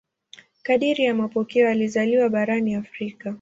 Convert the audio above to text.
Kadiri ya mapokeo alizaliwa barani Afrika.